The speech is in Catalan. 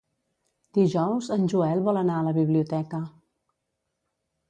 Dijous en Joel vol anar a la biblioteca.